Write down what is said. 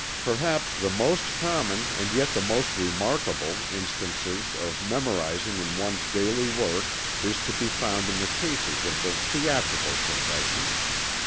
Perhaps the most common, and yet the most remarkable, instances of memorizing in one's daily work is to be found in the cases of the theatrical profession.